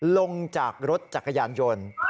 ลงจากรถจักรยานยนต์